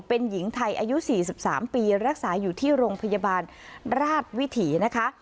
เป็นหญิงไทยอายุ๔๓ปีรักษาอยู่ที่โรงพยาบาลราชวิถีนะคะ